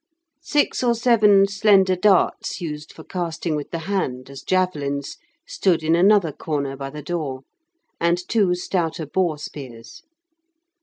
Six or seven slender darts used for casting with the hand, as javelins, stood in another corner by the door, and two stouter boar spears.